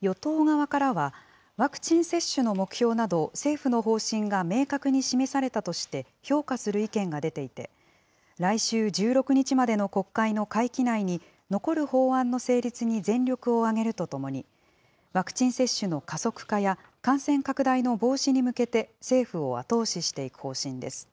与党側からは、ワクチン接種の目標など、政府の方針が明確に示されたとして、評価する意見が出ていて、来週１６日までの国会の会期内に、残る法案の成立に全力を挙げるとともに、ワクチン接種の加速化や、感染拡大の防止に向けて、政府を後押ししていく方針です。